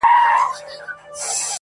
چي د آس پر ځای چا خر وي درولی -